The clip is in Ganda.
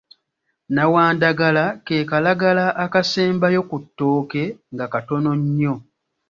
Nawandagala ke kalagala akasembayo ku ttooke nga katono nnyo.